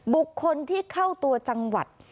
บุคคลที่เข้าตัวจังหวัด